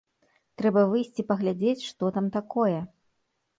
Трэба выйсці паглядзець, што там такое.